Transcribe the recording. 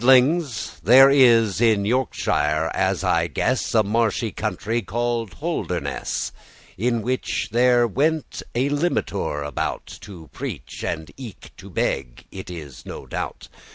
Lordings, there is in Yorkshire, as I guess, A marshy country called Holderness, In which there went a limitour about To preach, and eke to beg, it is no doubt.